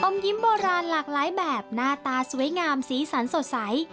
ยิ้มโบราณหลากหลายแบบหน้าตาสวยงามสีสันสดใส